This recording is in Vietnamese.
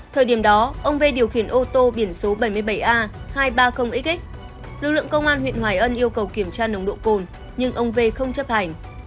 thời điểm đó ông v điều khiển ô tô biển số bảy mươi bảy a hai trăm ba mươi x lực lượng công an huyện hoài ân yêu cầu kiểm tra nồng độ cồn nhưng ông v không chấp hành